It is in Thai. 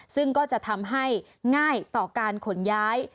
ซึ่งก็จะทำให้ง่ายต่อการขนย้าย